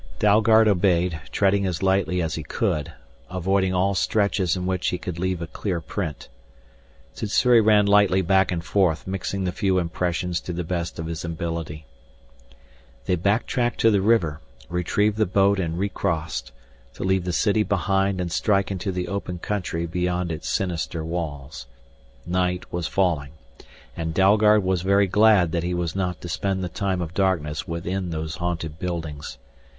Dalgard obeyed, treading as lightly as he could, avoiding all stretches in which he could leave a clear print. Sssuri ran lightly back and forth mixing the few impressions to the best of his ability. They backtracked to the river, retrieved the boat and recrossed, to leave the city behind and strike into the open country beyond its sinister walls. Night was falling, and Dalgard was very glad that he was not to spend the time of darkness within those haunted buildings.